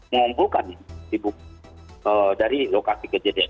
mengumpulkan dari lokasi kejadian